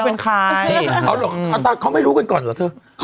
บอกว่าอ่านอนตาหลับแล้วค่ะ